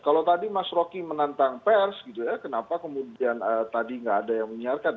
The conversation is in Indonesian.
kalau tadi mas rocky menantang pers gitu ya kenapa kemudian tadi nggak ada yang menyiarkan